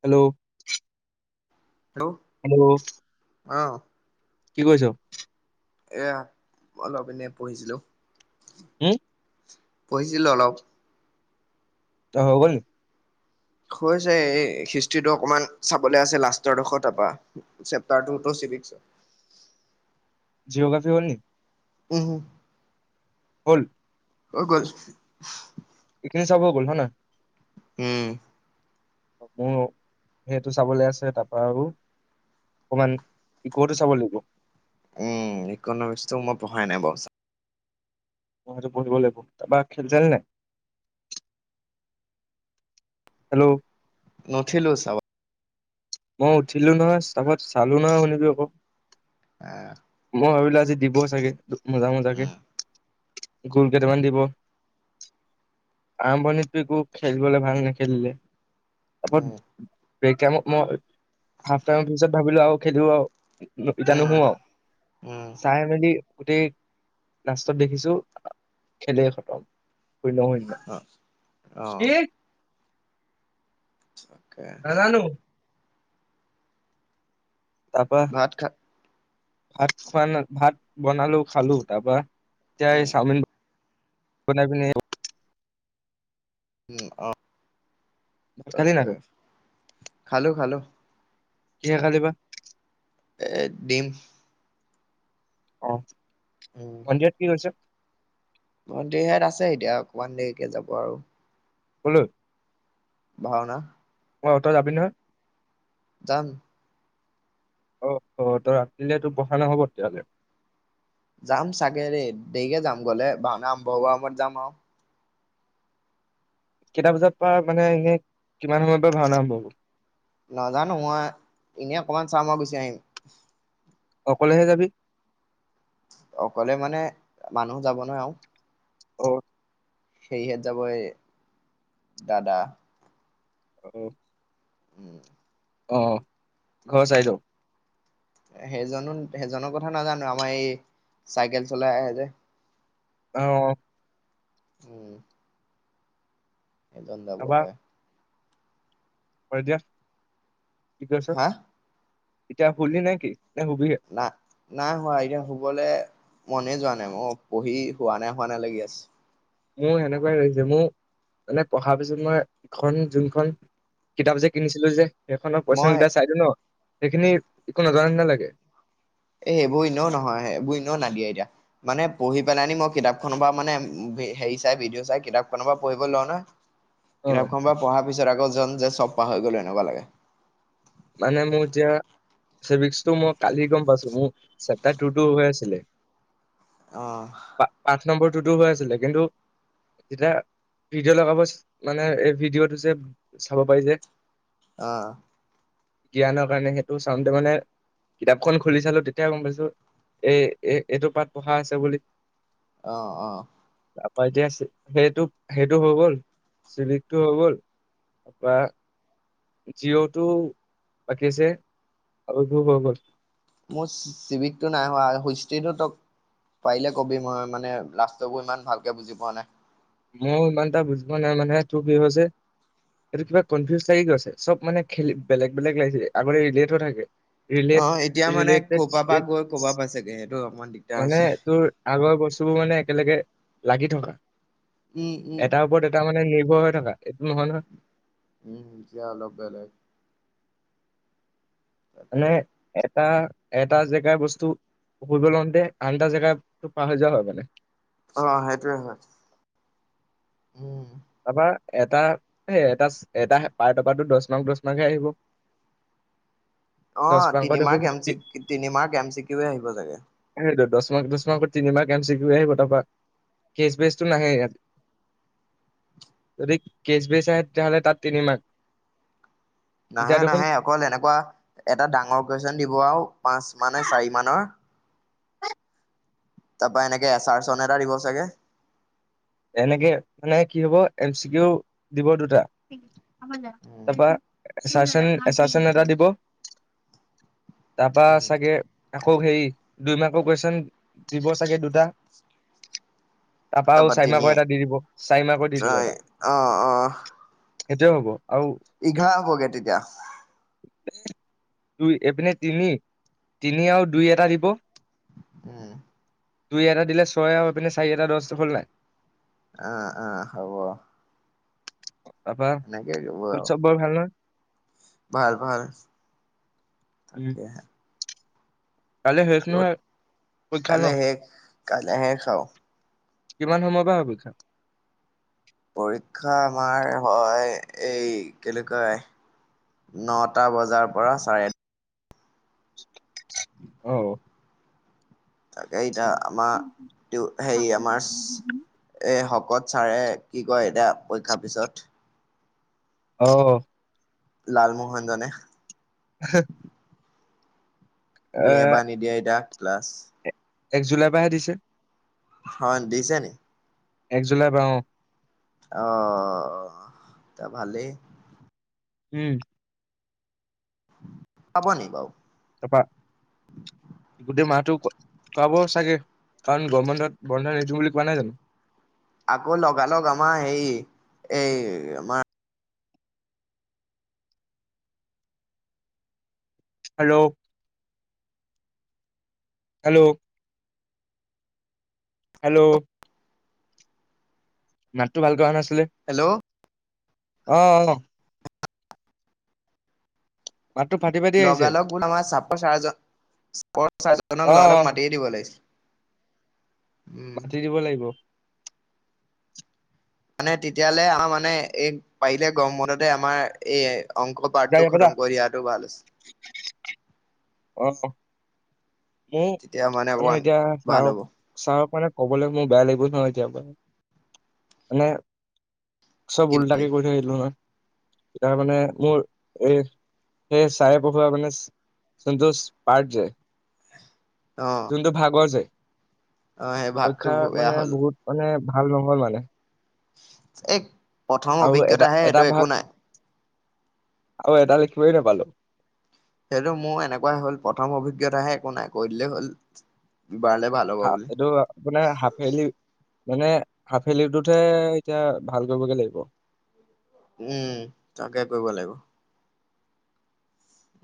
Hello, hello, hello অহ, কি কৈছ। এয়া অলপ এনে পঢ়িছিলো। হম। পঢ়িছিলো অলপ। ত হৈ গল হৈছে এই হিষ্টটো অকমান চাবলৈ আ লাষ্টৰডোখৰ তাৰপ চেপাটাৰটোটো বিক জিঅ'গ্ৰাফি হ'ল নি। উম, হ হল ক গ হৈ চব গ'ল হয় ন। উম, তাকে নো সেইটো চাবলৈ আছে তাৰপা আৰু। অকমান ইকোতো চাব লাগিব। উম, ইকনমিক্স টো মই পঢ়াই নাই বাৰ চা মো পঢিব লিব বা খেল জেল নে হেল্ল', নঠিলো চাব। মই উঠিলো নহয় তকত চালো নহয় শুনিবি আকৌ আহ মই ভাবিলো আজি। দিব চাগে মজা - মজাকে উম, গল কেইটামান দিব। আৰমভণীটিকো খেলিবলৈ ভাল নেখেলিলে। উম, মই হাফ টাইম পিছত ভাবিলো আৰু খেলো আৰু [unintelligible] ইতিয়া উম, নুশো আৰু উম, চাই মেলি গোটেই নাষ্টত দেখিছো খেলে খতম। ন ন অ', কি অ', [unintelligible] [inaudible] অকে। নাজানো। তাৰপা ভাত খা ভাত খোৱা না, ভাত বনালো খালো তাৰপা এতিয়া এই উম, চাওমিন, বনাই কিনে উ ভাত খালি নাই তাকে, তই খালো খালো কিহে খালী বা, এ ডিম, অঁ, ভন্টি হত কি কৰিছে? ভন্টি হত আছে এতিয়া অকমান দেৰিকে যাব আৰু, কলৈ? ভাওনা, অ তই যাবি নহয়। যাম। অ অ ত ৰাতিলে তো, পঢ়া নহ'ব তেতিয়াহলে। যাম চাগে ৰে দেৰিকে যাম গ'লে ভাওনা আৰম্ভ সময়ত যাম আৰু, কেইটা বজাত পৰা মানে এনেই কিমান সময়ৰ পৰা ভাওনা আৰম্ভ হ'ব। নাজানোঁ মই এনেই অকমান চাম মই গুচি আহিম। অকলেহে যাবি। অকলে মানে মানুহ যাব নহয় আৰু অ' সেইহেট যাব এই দাদা অহ' উম। অ' ঘৰ চাইদৰ সেইজনো সেইজনৰ কথা নাজানোঁ আমাৰ এই চাইকেল চলাই আহে যে অহ' উম। এজন যাব পাই হয় দিয়া, কি কৈছা, হা এতিয়া শুলি নেকি? না নাই শুৱা এতিয়া শুবলৈ মনে যোৱা নাই, মই পঢ়ি হোৱা নাই, হোৱা নাই লাগি আছে। মোৰ হেনেকুৱাই লাগিছে মোৰ মানে পঢ়াৰ পিছত মই এখন যোনখন কিতাপ যে কিনিছিলোঁ যে সেইখনৰ কোৱেশ্যন মই কেইটা চাই দিওঁ ন সেইখিনি একো নজানা নিচিনা লাগে। এই সেইবোৰ এনেও নহয়। এইেবোৰ এনেও নিদিয়ে এতিয়া মানে পঢ়ি পেলাইনি মই কিতাপ খনৰ পৰা মানে হেৰি চাই, ভিডিঅ' চাই কিতাপ খনৰ পৰা পঢ়িব লওঁ নহয় অ কিতাপখনৰ পৰা পঢ়াৰ পিছত আকৌ যান যেন চব পাহৰি গ'লো এনেকুৱাঁ লাগে। মানে মোৰ এতিয়া, চিভিস্কটো মোৰ কালি গম পাইছো। মোৰ চেপ্তাট টো টো হৈ আছিলে। অহ '। পা- পাঠ নম্বৰ টুটো হৈ আছিলে। কিন্তু যেতিয়া ভিডি'অ লগাব মানে, এই ভিডি'অটো যে চাব পাৰি যে। অ'। জ্ঞানৰ কাৰণে সেইটো চাওঁতে মানে কিতাপখন খুলি চালো তেতিয়া গম পাইছো, এই এইটো পাঠ পঢ়া আছে বুলি। অ, অ'। তাপা এতিয়া সেইটো, সেইটো হৈ গ'ল চিলিকটো হৈ গ'ল। তাৰপা জিঅ'ত [unintelligible] আগৰ বোৰ হৈ গ'ল। মোৰ চিৱিকতটো নাই হোৱা, হুষ্টিটো তক পাৰিলে কবি মই মানে লাষ্টবোৰ ইমান ভালকে বুজি পোৱা নাই। মইয়ো ইমান এটা বুজি পোৱা নাই। মানে তোৰ কি হৈছে এইটো কিবা কনফিউজ লাগি গৈছে চব মানে খেলি বেলেগ বেলেগ লাগিছে আগতে ৰিলেথোৱা থাকে। ৰিলে্ট অ', এতিয়া মানে ক'ৰবাৰ পৰা গৈ ৰিলেটেক্স ক'ৰবাৰ পাইছেগে সেইটো অকমান দিগদাৰ মানে হৈছে। তোৰ আগৰ বস্তুবোৰ মানে একেলগে লাগি থকা। উম, উম, এটাৰ ওপৰত এটা মানে নিৰ্ভৰ হৈ থকা, এইটো নহয় নহয়। উম এতিয়া অলপ বেলেগ। মানে তাকে এট এটা, এটা জেগাৰ বস্তু ফুৰিব লওঁতে আনটা জেগা পাহ হৈ যোৱা হয় মানে। অ' সেইটোৱে হয়। উম। ভাবা এটা, এই এটাচ্ এটা পাটৰ পাৰা টো দহ মাৰ্ক, দহ মাৰ্ক হে আহিব। [inaudible] দহ অ' মাৰ্কত তিনিমাহ দেখোন গেম, তি- চিক্ তিনিমাহ গেম চিক্ কেহে আহিব লাগে। ন, দশ মাহৰ আগত তিনিমাহ গেম্ চিকটোহে আহিব তাৰপাৰা কেচ্ বেকটো নাহে ইয়াত। যদি কেচ্ বেক আহে তেতিয়াহ'লে তাত তিনিমাহ। নাহে নাহে অকল এনেকুৱাঁ এটা ডাঙৰ কুৱেশন দিব আৰু পাঁচ মানে চাৰি মানৰ তাপা এনেকে এচাৰ চন এটা দিব চাগে। এনেকে মানে কি হব এম চি কিও দিব দুটা উম তাপা এছাশন, এছাশন এটা দিব তাপা উম চাগে আকৌ হেৰি, দুই মাৰ্কৰ কুৱেশন দিব চাগে দুটা তাৰপা চাৰি মাৰ্কৰ এটা দি দিব, চাৰি মাৰ্কৰ দি দিব এটা। অ সেইটোয়েই হ'ব। আৰু এঘাৰ হ'বগে তেতিয়া। দুই এইপিনে তিনি, তিনি আৰু দুই এটা দিব উম দুই এটা দিলে ছয়, আৰু এই পিনে চাৰি এটা দিলে দহ, হ'ল নে নাই। অ, অ হব তাৰপা সেনেকে হৈ যাব ঘৰত আৰু, চব বৰ ভাল নহয় ভাল, ভাল। উম তাকেহে কাইলৈ শেষ ক'ত নহয় পৰীক্ষা ন কাললে শেষ কাললে শেষ আও কিমান সময় পা ভাবিছা। পৰীক্ষা আমাৰ হয় এই কেনেকুৱা হয় নটা বজাৰ পৰা চাৰে অহ' তাকে এতিয়া আমাৰ হেৰি আমাৰ এ হক ক'ত ছাৰে কি কয় এতিয়া পৰীক্ষাৰ পিছত আহ লালমোহন জনে, হ [unintelligible] দিয়ে বা নিদিয়ে এ ডাক ক্লাছ, এক জুলাইৰ পৰাহে দিছে, হয় দিছে নি? এক জুলাই পা অঁ আহ ত ভালেই। উম। পাব নি বাও? তাপা গোটেই মাহটো খোৱাব চাগে। কাৰণ গৰম বন্ধত বন্ধ নিদো বুলি কোৱা নাই জানো? আকৌ লগালগ আমাৰ হেই, এই আমাৰ হেল্ল'। হেল্ল'। হেল্ল'। মাতটো ভালকে অহা নাইচোন। হেল্ল'। আহ অহ। মাতটো ফাটি ফাটি আহিছে। লগালগ আমাৰ চাপৰ অ', ছাৰজনক লগালক অ', মাতিয়েই দিব লাগিছিল। উম মাতি দিব লাগিব। মানে তেতিয়ালে আ মানে এই পাৰিলে গৰম বন্ধতে আমাৰ এই অংক যা পাৰ্টতো ইয়াৰ পৰা যা। খতম কৰি দিয়াটো ভাল আছিলে। অঁ মোৰ তেতিয়া মানে অকমান এতিয়া ভাল ছাৰক, হ'ব ছাৰক মানে ক'বলৈ মোৰ বেয়া লাগিব নহয় এতিয়া পৰা, মানে ক চব কি বুলি উল্টাকে কৰি থৈ আহিলো নহয় তাৰ মানে মোৰ এ সেই ছাৰে পঢ়োৱা মানে সন্তোষ পাৰ্ট যে অ যোনটো ভাগৰ যে অ সেই ভাতটো পৰীক্ষা বেয়া মানে হ'ল বহুত মানে ভাল নহল মানে। এই প্ৰথম অভিজ্ঞতাহে এইটো একো নাই। আও এটা লিখিবলে নাপালো। সেইটো মোৰ এনেকুৱাই হ'ল প্ৰথম অভিজ্ঞতাহে একো নাই কৈ দিলেই হ'ল। বাৰলে ভাল হ'ব হা বুলি এইটো আপোনাৰ হাফেলি মানে হাফেলিটোতহে এতিয়া ভাল কৰিবগে লাগিব। উম তাকে কৰিব লাগিব।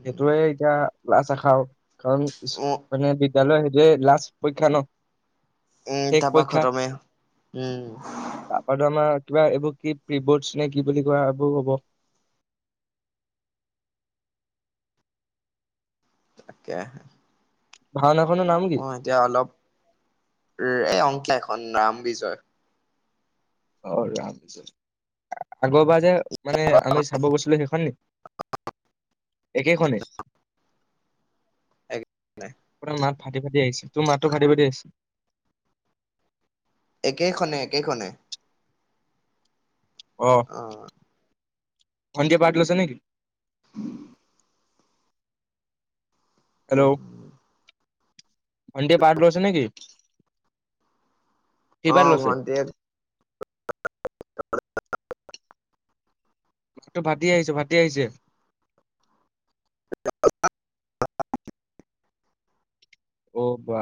উম সেইটোৱে এতিয়া লাষ্ট আখাও কাৰণ উ মানে [unintelligible] লাষ্ট পৰীক্ষা ন উম শেষ তাৰপা পৰীক্ষা, খতমে উম তাপাটো আমাৰ কিবা এইবোৰ কি প্ৰিবৰ্ডছ নে কি বুলি কয় এইবোৰ হব। [inaudible] তাকেহে। [unintelligible] অঁ এতিয়া অলপ এই অংকীয়া এখন ৰামবিজয়। অঁ ৰাগ যে, আগৰ বা যে মানে আমি চাব গৈছিলো সেইখন নি? একেখনে? ত মাত ভাটি ফাটি আহিছে তোৰ মাতটো ফাটি ফাটি আহিছে একেখনে একেখনে। অঁ ভন্টিয়ে পাৰ্ট লৈছে নেকি? [inaudible] উম। ভন্টিয়ে পাৰ্ট লৈছে নে কি? পাৰ্ট অঁ লৈছে? ভণ্টিয়ে মাতটো ফাটি আহিছে ফাটি আহিছে। [unintelligible] অঁ বা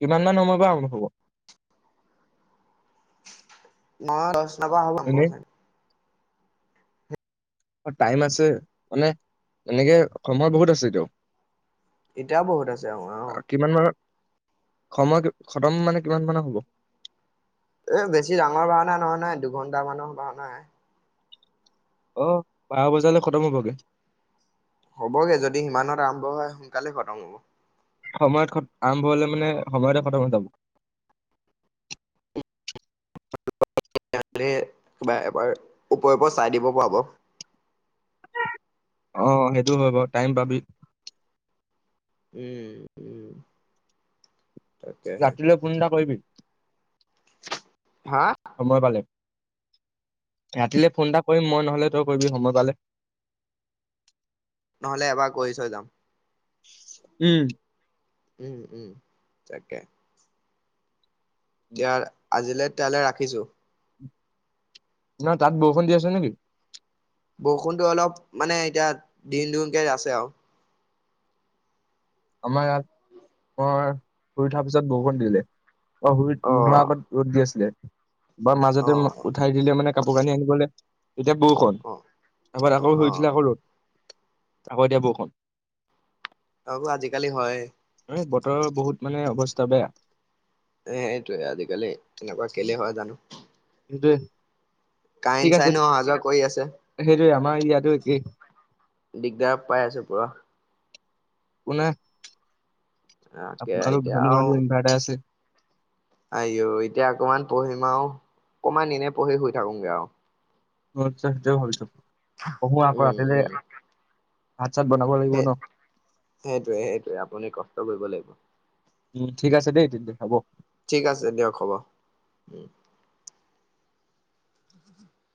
কিমান মান সময় বা আৰম্ভ হ'ব? নহ দশটাৰ পৰা আৰম্ভ এনেই হ'ব চাগে। টাইম আছে, মানে এনেকে সময় বহুত আছে এতিয়াও। এতিয়াও বহুত আছে অ আহ। কিমান মানত সময় খতম মানে কিমান মানৰ হ'ব? এ বেছি ডাঙৰ ভাওনা নহয় নাই দুঘন্টা মানৰ ভাওনা। অ বাৰ বজালৈ খতম হ'বগে। হ'বগে যদি সিমানত আৰম্ভ হয় সোনকালে খতম হ'ব। সময়ত আৰম্ভ হলে মানে সময়তে খতম হৈ যাব, তেলে কিব এবাৰ ওপৰে ও পৰা চাই দিব পৰা হব্, অ সেইটো হ টাইম পাবি, উ উম তাকেহে ৰাতিলৈ ফোন এটা কৰিবি, হা সময় পালে, ৰাতিলৈ ফোন এটা কৰিম মই নহ'লে তই কৰিবি সময় পালে, নহ'লে এবাৰ কৰি থৈ যাম। উম। উম উম, তাকে। এতিয়া আজিলৈ তেতিয়ালৈ ৰাখিছোঁ। ন তাত বৰষুণ দি আছে নেকি? বৰষুণটো অলপ মানে এতিয়া দিন দুিনকে আছে আৰু। আমাৰ ইয়াত মই শুই উঠাৰ পিছত বৰষুণ দিলে। মই অ শুইত নুশুৱা আগত ৰ'দ দি আছিলে। বা অ মাজতে উঠাই দিলে মানে কাপোৰ কানি আনিবলৈ। এতিয়া বৌখন, অ আগত আকৌ অ শুই উঠিলোঁ আকৌ ৰ'দ। আকৌ এতিয়া বৌসুন। এইবোৰ আজিকালি হয় এ বতৰৰ বহুত মানে অৱস্থা বেয়া। এ সেইটোৱে আজিকালি এনেকুৱা কেলে হয় হেটোৱে। কাইন চাইনো অহা যোৱা কৰি আছে। মাৰ ইয়াদু একেই। দিগদাৰ পাই আছে পুৰা। কোনে তাকে আপোনালোক এতিয়া ধনী আৰু মানুহ ইনভাৰ্টাৰ আছে। আইও এতিয়া অকমান পঢ়িম আৰু অকমান এনে পঢ়ি শুই থাকোগে আৰু। আচ্ছা সেইটোৱে ভাবিছোঁ। উম উম। ভাত চাত বনাব লাগিব সেই ন সেইটোৱে সেইটোৱে আপুনি কষ্ট কৰিব লাগিব। উম ঠিক আছে দেই তেন্তে হ'ব। ঠিক আছে দিয়ক হ'ব উম,